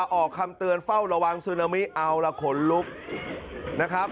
จะออกคำเตือนเฝ้าระวังซึนามิอาวระขนลุก